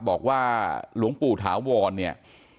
บอกว่าหลวงปู่ถาวรเนี่ย